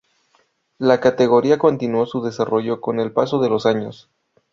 La categoría continuó su desarrollo con el paso de los años.